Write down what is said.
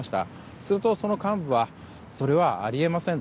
すると、その幹部はそれはあり得ません。